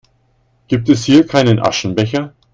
Gibt es hier keinen Aschenbecher?